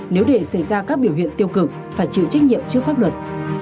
nếu để xảy ra các biểu hiện tiêu cực phải chịu trách nhiệm trước pháp luật